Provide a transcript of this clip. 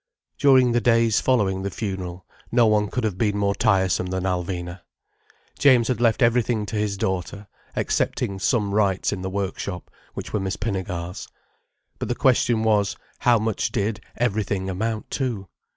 During the days following the funeral, no one could have been more tiresome than Alvina. James had left everything to his daughter, excepting some rights in the work shop, which were Miss Pinnegar's. But the question was, how much did "everything" amount to?